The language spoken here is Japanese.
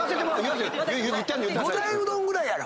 五大うどんぐらいやろ。